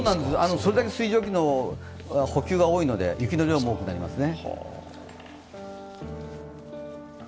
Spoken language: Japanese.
それだけ水蒸気の補給も多いので、雪の量も多くなりますね。